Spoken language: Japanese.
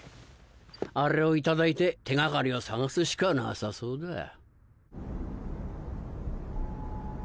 あれを頂いて手掛かりを探すしかなさそうだ。